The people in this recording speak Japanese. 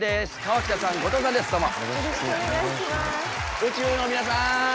宇宙の皆さん